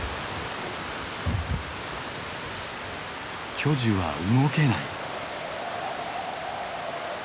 巨樹は動けない。